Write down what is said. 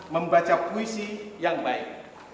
membaca puisi yang baik